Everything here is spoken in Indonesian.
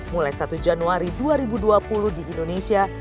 mulai satu januari dua ribu dua puluh di indonesia